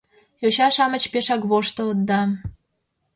— Йоча-шамыч пешак воштылыт да...